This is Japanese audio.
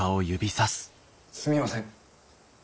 すみません。